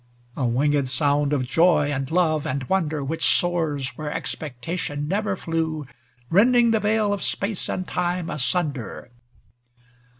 A wingM sound of joy, and love, and wonder. Which soars where Expectation never flew. Rending the veil of space and time asun der